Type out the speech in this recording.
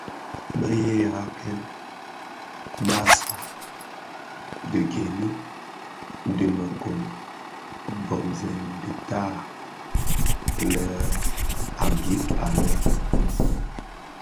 Bēghèrakèn basag tigèni dhi mekon mboňzèn dhitaa mlem a gib lè ag.